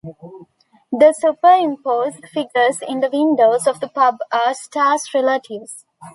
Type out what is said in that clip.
The superimposed figures in the windows of the pub are Starr's relatives.